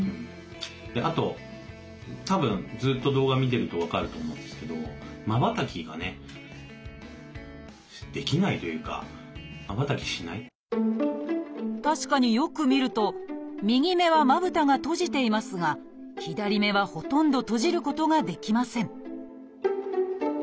あとたぶんずっと動画見てると分かると思うんですけど確かによく見ると右目はまぶたが閉じていますが左目はほとんど閉じることができません